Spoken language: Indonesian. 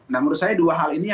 nah menurut saya dua hal ini